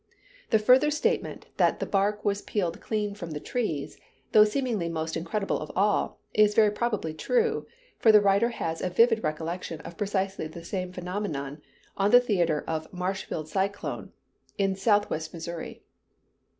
The further statement that the bark was peeled clean from the trees, though seemingly most incredible of all, is very probably true; for the writer has a vivid recollection of precisely the same phenomenon on the theater of the Marshfield cyclone in southwest Missouri.